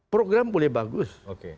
program boleh bagus